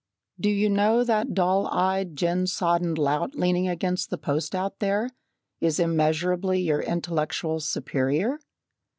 "Do you know that dull eyed, gin sodden lout leaning against the post out there is immeasurably your intellectual superior?